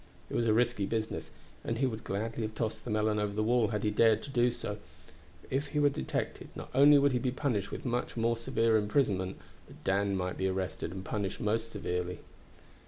It was a risky business, and he would gladly have tossed the melon over the wall had he dared to do so; for if he were detected, not only would he be punished with much more severe imprisonment, but Dan might be arrested and punished most severely.